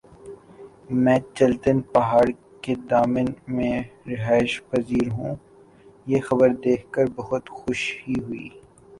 میں چلتن پہاڑ کے دامن میں رہائش پزیر ھوں یہ خبر دیکھ کر بہت خوشی ہوئ